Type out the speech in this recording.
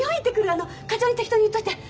あの課長に適当に言っといて！